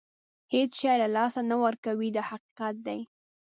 هېڅ شی له لاسه نه ورکوي دا حقیقت دی.